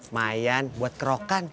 mayan buat kerokan